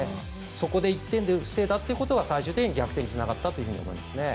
そこで１点を防いだことが最終的に逆転をつないだと思います。